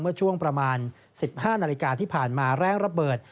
เมื่อช่วงประมาณ๑๕นาฬิกาที่ผ่านมาแรงระเบิด